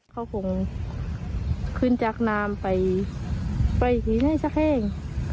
เขาคงขึ้นจากน้ำไปไปอีกนิดหน่อยสักแห่ง